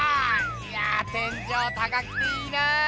いや天じょう高くていいなあ！